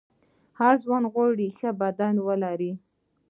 هر ځوان غواړي ښه بدن ولري.